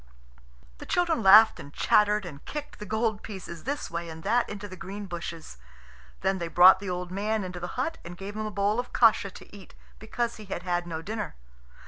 The children laughed and chattered and kicked the gold pieces this way and that into the green bushes. Then they brought the old man into the hut and gave him a bowl of kasha to eat, because he had had no dinner.